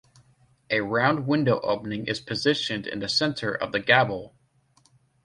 A round window opening is positioned in the center of the gable.